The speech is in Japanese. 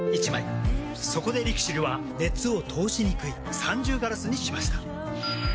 そこでＬＩＸＩＬは熱を通しにくい三重ガラスにしました。